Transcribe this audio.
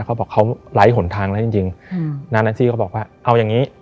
เขาบอกว่าเขาไร้หนทางแล้วจริงน้านแอนซี่เขาบอกว่าเอาอย่างนี้